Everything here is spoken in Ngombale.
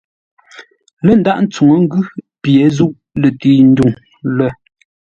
Lə́ ndághʼ tsuŋə́ ngʉ́ pye zûʼ lətəi ndwuŋ lə́.